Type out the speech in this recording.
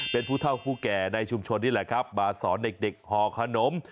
เป็นผู้เท่าผู้แก่ในชุมชนนี่แหละครับมาสอนเด็กห่อขนม